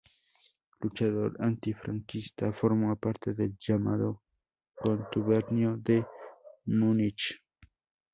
Luchador antifranquista, formó parte del llamado contubernio de Múnich.